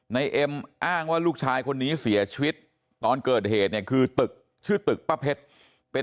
เอ็มอ้างว่าลูกชายคนนี้เสียชีวิตตอนเกิดเหตุเนี่ยคือตึกชื่อตึกป้าเพชรเป็น